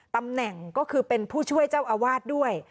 ตำแหน่งก็คือเป็นผู้ช่วยเจ้าอาวาสด้วย